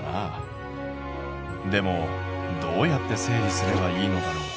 でもどうやって整理すればいいのだろう？